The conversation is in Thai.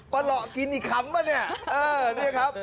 ปะหลอกกินอีกคำปะเนี่ย